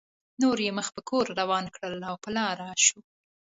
نور یې مخ په کور روان کړل او په لاره شو.